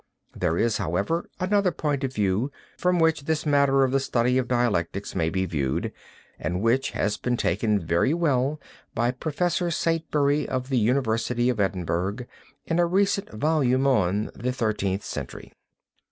There is, however, another point of view from which this matter of the study of dialectics may be viewed, and which has been taken very well by Prof. Saintsbury of the University of Edinburgh in a recent volume on the Thirteenth Century.